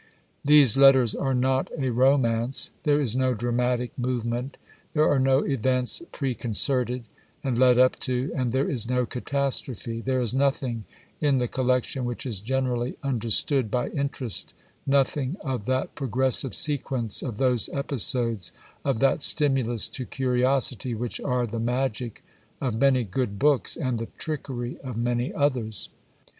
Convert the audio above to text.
These letters are not a romance. There is no dramatic movement, there are no events preconcerted and led up to, and there is no catastrophe ; there is nothing in the collection which is generally understood by interest, nothing of that progressive sequence, of those episodes, of that stimulus to curiosity which are the magic of many good books and the trickery of many others.